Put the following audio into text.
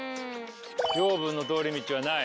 「養分の通り道」はない？